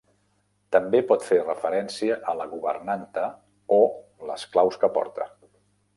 També pot fer referència a la governanta o les claus que porta.